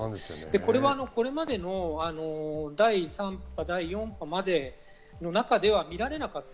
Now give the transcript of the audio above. これは、これまでの第３波、第４波までの中では見られなかった。